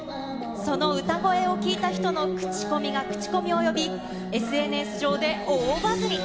その歌声を聴いた人の口コミが口コミを呼び、ＳＮＳ上で大バズり。